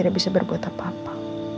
tidak bisa berbuat apa apa